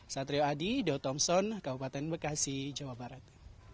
satrio adi dau thompson kabupaten bekasi jawa barat